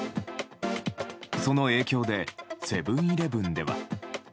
その影響でセブン‐イレブンでは。